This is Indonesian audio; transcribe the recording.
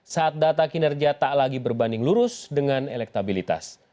saat data kinerja tak lagi berbanding lurus dengan elektabilitas